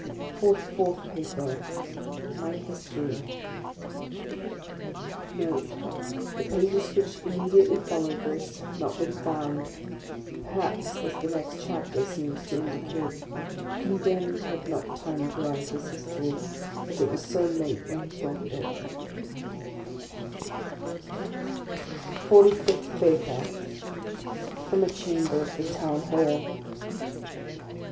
FORTY FOURTH PAPER MY HISTORY [NOTE. The pages which immediately followed this have not been found. Perhaps, as the next chapter seems to indi cate, the Condemned had not time to write his history, as it was so late when he thought of it.] 94 THE LAST DAY FORTY FIFTH PAPER From a Chamber of the Town Hall.